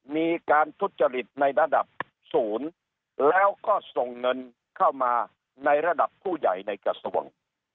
มีการทุจริตในระดับศูนย์แล้วก็ส่งเงินเข้ามาในระดับผู้ใหญ่ในกระทรวง